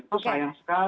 itu sayang sekali